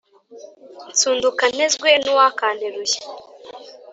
Nsunduka ntezwe n’uwakanteruye